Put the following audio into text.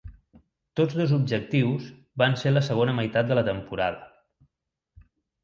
Tots dos objectius van ser la segona meitat de la temporada.